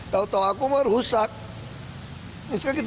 tau tau aku mah rusak